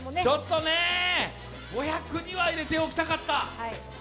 ちょっと５００には入れておきたかった。